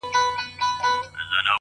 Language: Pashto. مخامخ وتراشل سوي بت ته گوري ـ